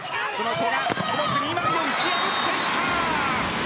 古賀、ブロック２枚を打ち破っていった！